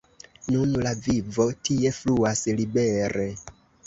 Nun la vivo tie fluas libere.